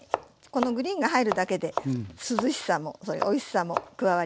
このグリーンが入るだけで涼しさもおいしさも加わりますよね。